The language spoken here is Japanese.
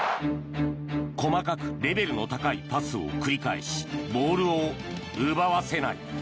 細かくレベルの高いパスを繰り返しボールを奪わせない。